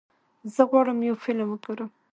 زه غواړم یو فلم وګورم.